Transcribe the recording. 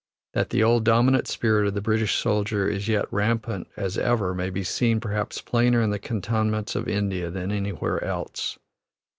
That the old dominant spirit of the British soldier is yet rampant as ever may be seen, perhaps, plainer in the cantonments of India than anywhere else.